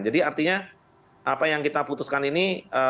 jadi artinya apa yang kita putuskan ini